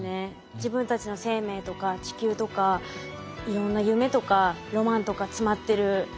自分たちの生命とか地球とかいろんな夢とかロマンとか詰まってる